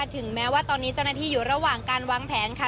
ถึงแม้ว่าตอนนี้เจ้าหน้าที่อยู่ระหว่างการวางแผนค่ะ